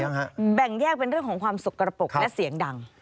สัตว์เลี้ยงแบ่งแยกเป็นเรื่องของความสุขกระปุกและเสียงดัง